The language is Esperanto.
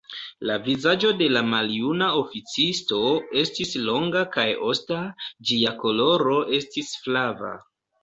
La vizaĝo de la maljuna oficisto estis longa kaj osta, ĝia koloro estis flava.